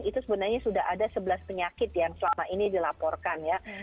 itu sebenarnya sudah ada sebelas penyakit yang selama ini dilaporkan ya